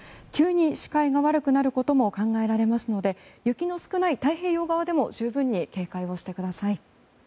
急に視界が悪くなることも考えられますので雪の少ない太平洋側でも十分に警戒してください。